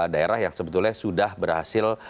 daerah yang sebetulnya sudah berhasil